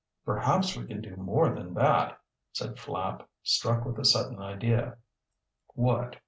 "Perhaps we can do more than that," said Flapp, struck with a sudden idea. "What"?